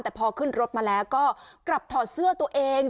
แต่พอขึ้นรถมาแล้วก็กลับถอดเสื้อตัวเอง